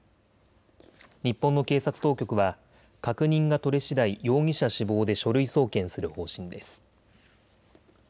日本の警察当局は確認が取れしだい、容疑者死亡で書類送検する方針です。